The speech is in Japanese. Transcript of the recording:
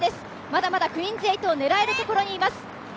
まだまだクイーンズ８を狙えるところにいます。